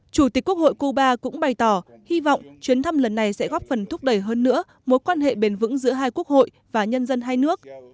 chủ tịch quốc hội cuba cũng bày tỏ hy vọng chuyến thăm lần này sẽ góp phần thúc đẩy hơn nữa mối quan hệ bền vững giữa hai quốc hội và nhân dân hai nước